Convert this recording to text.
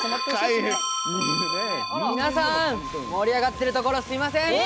皆さん盛り上がってるところすみません。